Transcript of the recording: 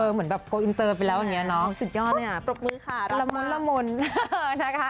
เหมือนแบบก็อินเตอร์ไปแล้วอย่างเนี่ยเนาะสุดยอดเนี่ยละมนนะคะ